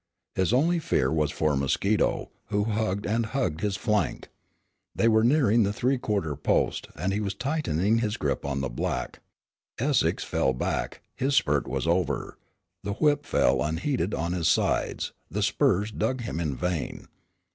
His only fear was for Mosquito, who hugged and hugged his flank. They were nearing the three quarter post, and he was tightening his grip on the black. Essex fell back; his spurt was over. The whip fell unheeded on his sides. The spurs dug him in vain.